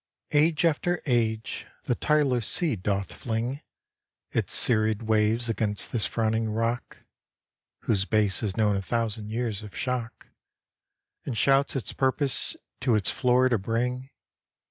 Age after age the tireless sea doth fling Its serried waves against this frowning rock, (Whose base has known a thousand years of shock,) And shouts its purpose to its floor to bring.